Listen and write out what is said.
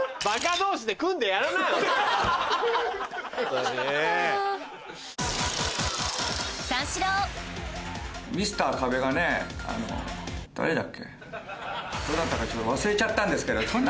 どなたか忘れちゃったんですけど。